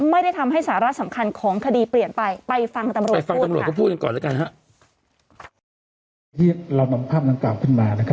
ไม่ได้ทำให้สาระสำคัญของคดีเปลี่ยนไป